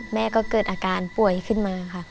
แม่ก็เกิดอาการป่วยขึ้นมาค่ะ